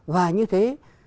và như thế